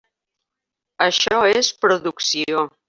Això és producció.